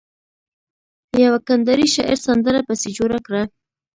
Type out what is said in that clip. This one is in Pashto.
يوه کنداري شاعر سندره پسې جوړه کړه.